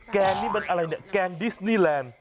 แกงนี้เป็นอะไรแกงดิสนีแลนด์